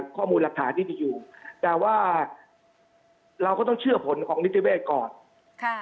ข้อมูลหลักฐานที่มีอยู่แต่ว่าเราก็ต้องเชื่อผลของนิติเวศก่อนค่ะ